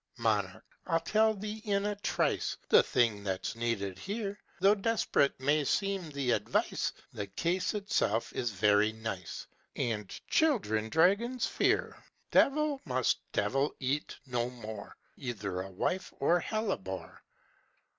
"Monarch! I'll tell thee in a trice The thing that's needed here; Though desperate may seem the advice The case itself is very nice And children dragons fear. Devil must devil eat! no more! Either a wife, or hellebore!